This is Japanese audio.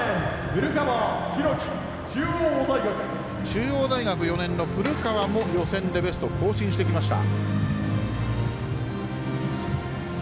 中央大学４年の古川も予選でベスト更新してきました。